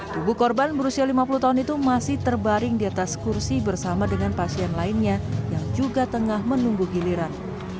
tubuh korban berusia lima puluh tahun itu masih terbaring di atas kursi bersama dengan pasien lainnya yang juga tengah menunggu giliran